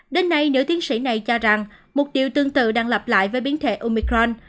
đến nay nữ tiến sĩ này cho rằng một điều tương tự đang lặp lại với biến thể omicron